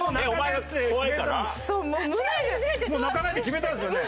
もう泣かないって決めたんですよね。